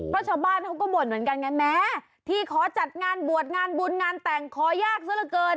เพราะชาวบ้านเขาก็บ่นเหมือนกันไงแม้ที่ขอจัดงานบวชงานบุญงานแต่งขอยากซะละเกิน